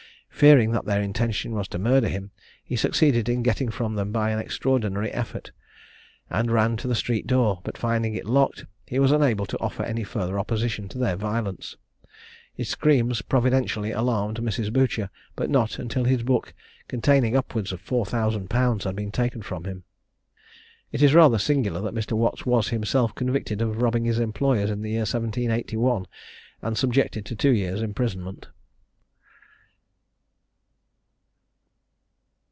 Fearing that their intention was to murder him, he succeeded in getting from them by an extraordinary effort, and ran to the street door; but finding it locked he was unable to offer any further opposition to their violence. His screams providentially alarmed Mrs. Boucher, but not until his book, containing upwards of 4000_l._ had been taken from him. It is rather singular that Mr. Watts was himself convicted of robbing his employers in the year 1781, and subjected to two years' imprisonment.